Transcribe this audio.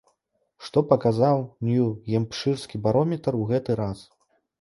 Што паказаў нью-гемпшырскі барометр ў гэты раз?